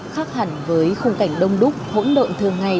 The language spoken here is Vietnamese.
khác hẳn với khung cảnh đông đúc hỗn độn thương ngày